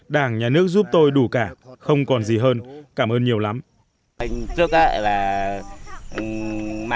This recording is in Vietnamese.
đảng nhà nước giúp tôi đủ cả không còn gì hơn cảm ơn nhiều lắm